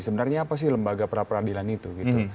sebenarnya apa sih lembaga pra peradilan itu